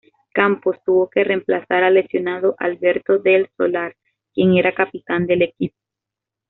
Campos tuvo que reemplazar al lesionado Alberto del Solar, quien era capitán del equipo.